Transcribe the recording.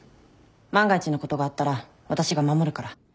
万が一のことがあったら私が守るから。